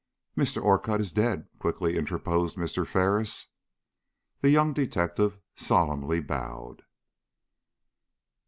"Mr. Orcutt is dead?" quickly interposed Mr. Ferris. The young detective solemnly bowed.